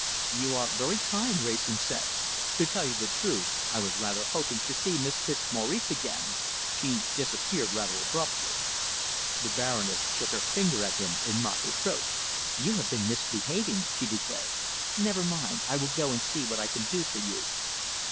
"You are very kind," Wrayson said. "To tell you the truth, I was rather hoping to see Miss Fitzmaurice again. She disappeared rather abruptly." The Baroness shook her finger at him in mock reproach. "You have been misbehaving," she declared. "Never mind. I will go and see what I can do for you."